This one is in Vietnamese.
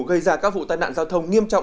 gây ra các vụ tai nạn giao thông nghiêm trọng